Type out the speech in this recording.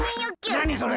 なにそれ？